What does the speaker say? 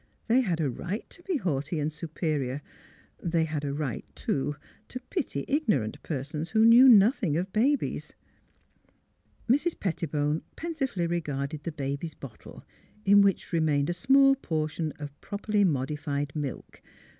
They had a right to be haughty and superior. They had a right, too, to pity ignorant persons who knew nothing of babies. ill Mrs. Pettibone pensively regarded the baby's bottle, in which remained a small portion of prop erly modified milk.